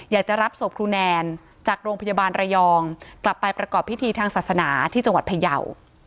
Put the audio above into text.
อยากจะรับศพครูแนนจากโรงพยาบาลระยองกลับไปประกอบพิธีทางศาสนาที่จังหวัดพยาว